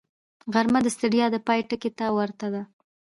غرمه د ستړیا د پای ټکي ته ورته ده